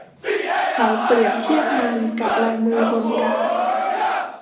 เขาเปรียบเทียบมันกับลายมือบนการ์ด